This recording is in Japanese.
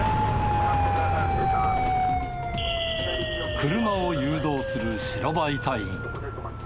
車を誘導する白バイ隊員。